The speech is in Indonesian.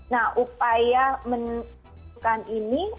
nah upaya menentukan ini